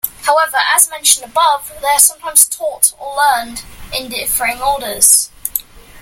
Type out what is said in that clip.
However, as mentioned above, they are sometimes taught or learned in differing orders.